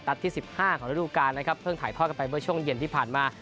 ดับที่สิบห้าของฤดูกานะครับเพิ่งถ่ายพ่อกันไปเวลาช่วงเย็นที่ผ่านมา